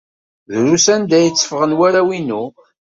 Drus anda ay tteffɣen warraw-inu.